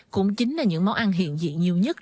cũng chính là những món ăn hiện diện nhiều nhất